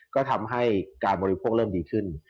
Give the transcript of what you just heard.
ก็ทำให้การบริโภคเริ่มดีขึ้น